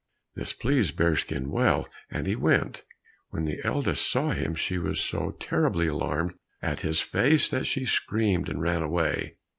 This pleased Bearskin well, and he went. When the eldest saw him she was so terribly alarmed at his face that she screamed and ran away.